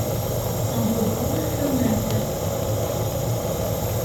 Nḍebber iɣfawen-nteɣ.